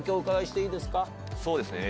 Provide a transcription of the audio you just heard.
そうですね。